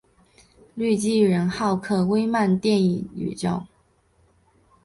绿巨人浩克漫威电影宇宙